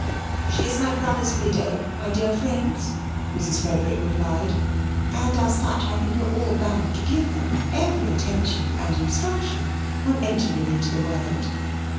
'" "She is my brother's widow, my dear friends," Mrs. Frederick replied, "and as such I think we're all bound to give her every attention and instruction on entering into the world.